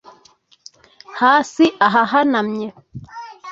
Hasi ahahanamye